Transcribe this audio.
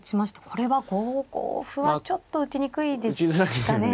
これは５五歩はちょっと打ちにくいですね。